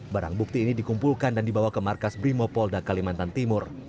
barang bukti ini dikumpulkan dan dibawa ke markas brimo polda kalimantan timur